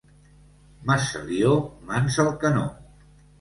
Massalió, mans al canó.